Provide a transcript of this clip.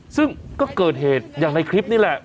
ซึ่งก็เกิดเหตุอย่างในคลิปนี่แหละ